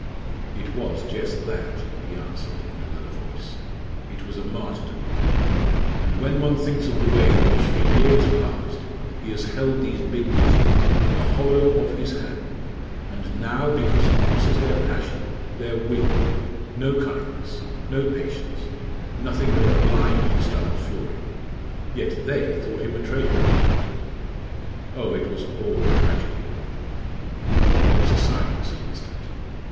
"It was just that," he answered in a low voice "It was a martyrdom. And when one thinks of the way in which for years past he has held these big meetings in the hollow of his hand, and now, because he crosses their passion, their whim, no kindness! no patience nothing but a blind hostile fury! Yet they thought him a traitor, no doubt. Oh! it was all a tragedy!" There was silence an instant.